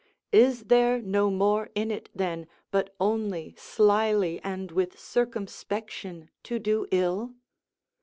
Is there no more in it, then, but only slily and with circumspection to do ill?